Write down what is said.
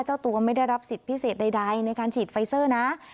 เจ้าตัวไม่ได้รับสิทธิ์พิเศษใดในการฉีดไฟเซอร์นะ